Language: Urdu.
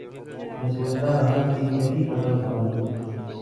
میں سوچتارہا کہ یہ کیسی کتب ہوں۔